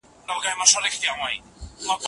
خپلي تېروتني په اسانۍ وبښئ.